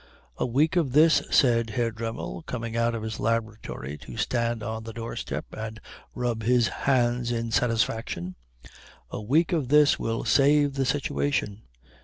"A week of this," said Herr Dremmel, coming out of his laboratory to stand on the doorstep and rub his hands in satisfaction, "a week of this will save the situation."